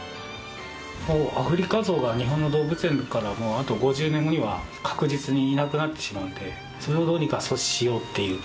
もうアフリカゾウが日本の動物園からあと５０年後には確実にいなくなってしまうのでそれをどうにか阻止しようということで。